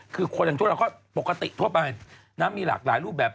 คือคนที่เราปกติทั่วไปมีหลากหลายรูปแบบ